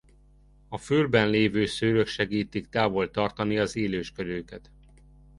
A fülben lévő szőrök segítik távol tartani az élősködőket.